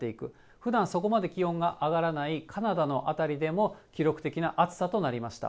ふだんそこまで気温が上がらないカナダの辺りでも、記録的な暑さとなりました。